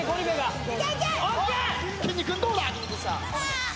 きんに君どうだ？